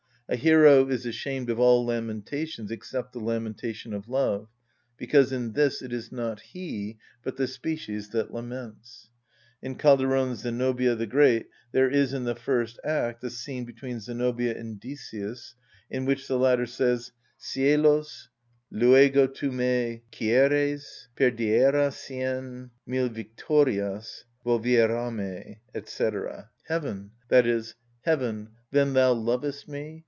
A hero is ashamed of all lamentations except the lamentation of love, because in this it is not he but the species that laments. In Calderon's "Zenobia the Great" there is in the first act a scene between Zenobia and Decius in which the latter says: "Cielos, luego tu me quieres? Perdiera cien mil victorias, Volviérame," &c. (Heaven! then thou lovest me?